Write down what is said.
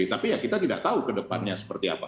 tapi ya kita tidak tahu ke depannya seperti apa